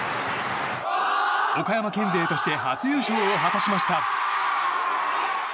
岡山県勢として初優勝を果たしました。